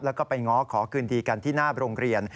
แล้วก็ไปง้อขอคืนดีกันที่หน้าโรงเรียน